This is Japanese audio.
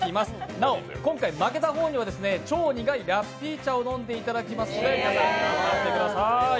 なお、今回負けた方には超苦いラッピー茶を飲んでいただきますので頑張ってください。